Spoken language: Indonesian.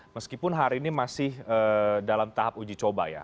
meskipun hari ini masih dalam tahap uji coba ya